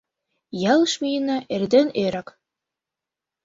Ялыш миена эрден эрак.